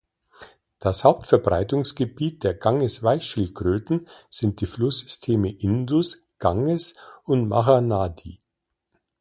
Das Hauptverbreitungsgebiet der Ganges-Weichschildkröten sind die Flusssysteme Indus, Ganges und Mahanadi.